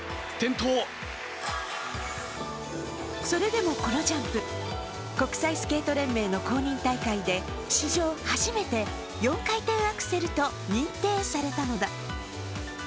それでもこのジャンプ、国際スケート連盟の公認大会で史上初めて４回転アクセルと認定されたのだ。